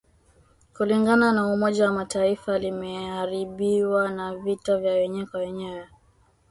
kulingana na Umoja wa mataifa limeharibiwa na vita vya wenyewe kwa wenyewe